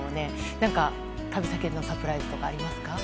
何か、旅先でのサプライズとかありますか？